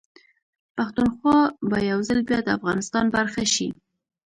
پښتونخوا به يوځل بيا ده افغانستان برخه شي